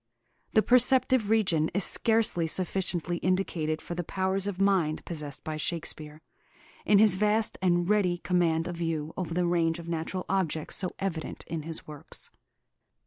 The perceptive region is scarcely sufficiently indicated for the powers of mind possessed by Shakespeare, in his vast and ready command of view over the range of natural objects so evident in his works.